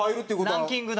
ランキングだ。